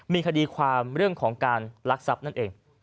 มีคดีความเรื่องของการลักทรัพย์นั่นเอง